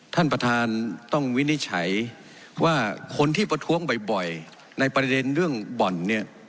ท่านประธานต้องวินิจฉัยว่าคนที่ประท้วงบ่อยในประเด็นเรื่องบ่อนเนี่ย